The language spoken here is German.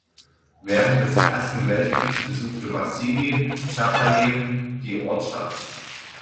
Während des Ersten Weltkriegs besuchte Wassili Tschapajew die Ortschaft.